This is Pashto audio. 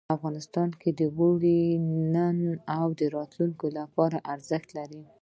افغانستان کې اوړي د نن او راتلونکي لپاره ارزښت لري.